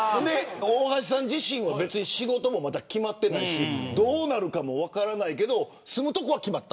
大橋さんの仕事も決まっていないしどうなるかも分からないけど住む所は決まった。